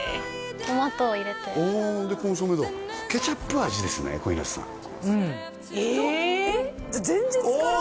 トマトを入れておでコンソメだケチャップ味ですね小日向さんええ！じゃあ前日から？